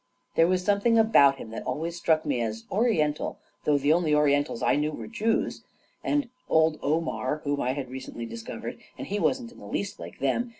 There was something about him that always struck me as Oriental — though the only Orientals I knew were Jews — and old Omar, whom I had re cently discovered — and he wasn't in the least like them.